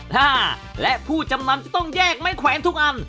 ถ้าและผู้จำนำจะต้องแยกไม้แขวนทุกอัน